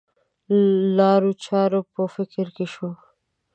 لارو چارو په فکر کې شو.